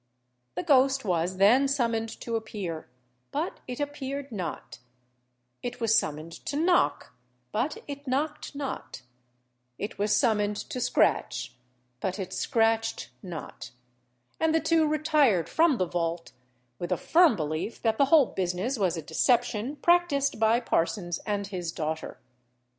The ghost was then summoned to appear, but it appeared not; it was summoned to knock, but it knocked not; it was summoned to scratch, but it scratched not; and the two retired from the vault, with a firm belief that the whole business was a deception practised by Parsons and his daughter.